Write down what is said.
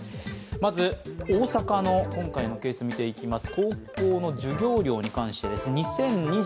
まず、大阪の今回のケース見ていきます。